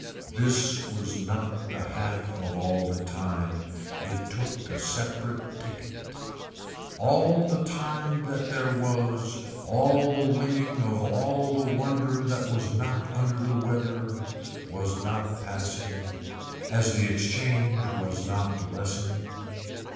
This was not the half of all the time. It took a separate ticket. All the time that there was all the winning of all the wonder that was not under the weather was not passing as the exchange was not lessening.